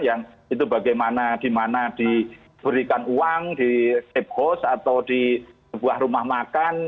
yang itu bagaimana di mana diberikan uang di safe house atau di sebuah rumah makan